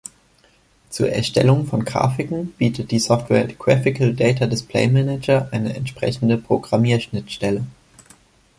Zur Erstellung von Grafiken bietet die Software Graphical Data Display Manager eine entsprechende Programmierschnittstelle.